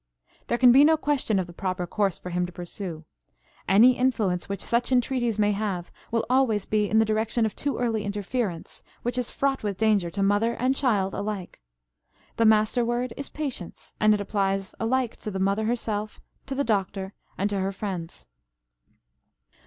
There can be no question of the proper course for him to pursue. Any influence which such entreaties may have will always be in the direction of too early interference, which is fraught with danger to mother and child alike. The master word is patience, and it applies alike to the mother herself, to the doctor, and to her friends.